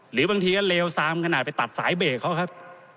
หรือบางทีก็เลวซามขนาดไปตัดสายเบรกเขาครับ